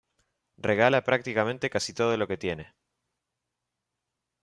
Regala prácticamente casi todo lo que tiene.